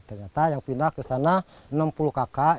ternyata yang pindah ke sana enam puluh kakak